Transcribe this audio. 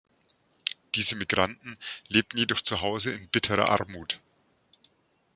Diese Migranten lebten jedoch zu Hause in bitterer Armut.